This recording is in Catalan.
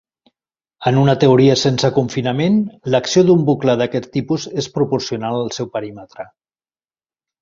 En una teoria sense confinament, l'acció d'un bucle d'aquest tipus és proporcional al seu perímetre.